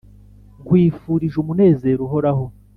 nkwifurije umunezero uhoraho,